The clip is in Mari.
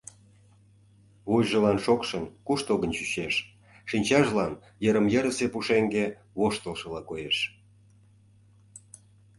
Вуйжылан шокшын, куштылгын чучеш, шинчажлан йырым-йырысе пушеҥге воштылшыла коеш...